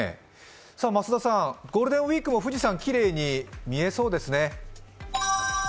増田さん、ゴールデンウイークも富士山きれいに見えそうですね？